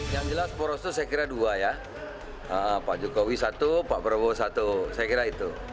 yang jelas poros itu saya kira dua ya pak jokowi satu pak prabowo satu saya kira itu